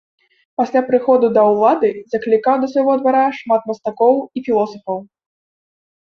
Пасля прыходу да ўлады заклікаў да свайго двара шмат мастакоў і філосафаў.